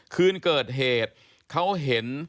คืนเกิดเหตุเขาเห็น